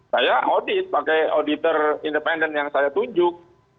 saya audit pakai auditor independen yang saya tunjuk